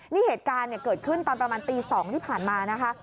นี่เหตุการณ์เกิดขึ้นตอนประมาณตี๒ที่ผ่านมานะคะ